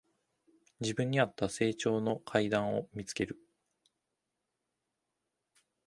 自分にあった成長の階段を見つける